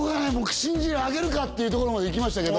信じる上げるかっていうところまでいきましたけど。